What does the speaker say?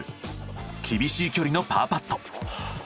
厳しい距離のパーパット。